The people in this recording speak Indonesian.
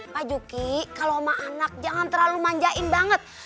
pak juki kalau sama anak jangan terlalu manjain banget